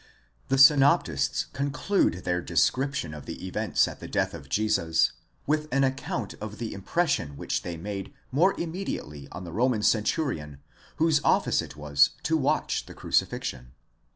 The synoptists conclude their description of the events at the death of Jesus, with an account of the impression which they made more immediately on the Roman centurion whose office it was to watch the crucifixion.